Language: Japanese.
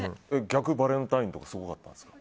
逆バレンタインとかすごかったんですか？